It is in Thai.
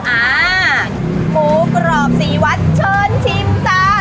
อ่าหมูกรอบสีวัดเชิญชิมจ้า